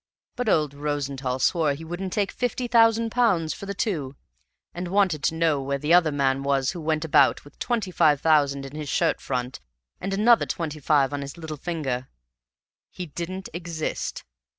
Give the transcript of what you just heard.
But old Rosenthall swore he wouldn't take fifty thousand pounds for the two, and wanted to know where the other man was who went about with twenty five thousand in his shirt front and another twenty five on his little finger. He didn't exist.